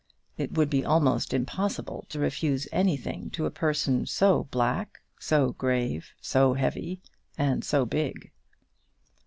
It would be almost impossible to refuse anything to a person so black, so grave, so heavy, and so big.